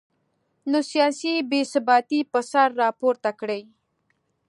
نو سیاسي بې ثباتي به سر راپورته کړي